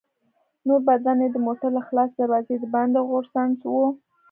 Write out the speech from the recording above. نور بدن يې د موټر له خلاصې دروازې د باندې ځوړند و.